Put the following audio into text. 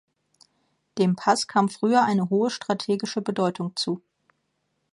Dem Pass kam früher eine hohe strategische Bedeutung zu.